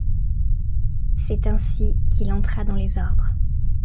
C'est ainsi qu'il entra dans les ordres.